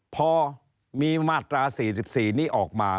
พอมีมาตรา๔๔นี้ออกมา